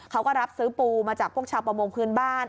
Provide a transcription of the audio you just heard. เขาก็รับซื้อปูมาจากพวกชาวประมงพื้นบ้าน